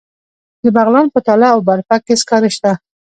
د بغلان په تاله او برفک کې سکاره شته.